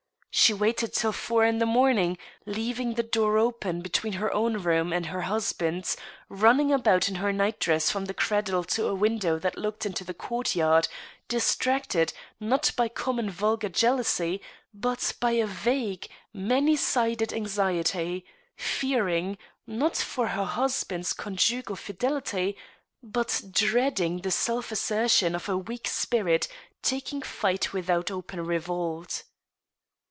She waited till four in the morning, leaving the door open be tween her own room and her husband's ; running about in her night dress from the cradle to a window that looked into the court yard ; distracted, not by common, vulgar jealousy, but by a vague, many sided anxiety ; fearing, not for her husband's conjugal fidelity, but dreading the self assertion of a weak spirit taking flight without open revolt.